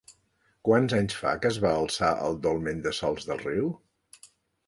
Quants anys fa que es va alçar el dolmen de Sòls de Riu?